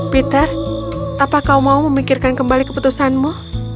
peter apa kau mau memikirkan kembali keputusanmu